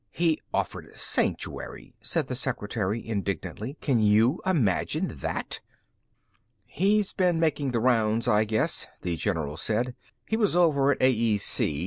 "He offered sanctuary," said the secretary indignantly. "Can you imagine that!" "He's been making the rounds, I guess," the general said. "He was over at AEC.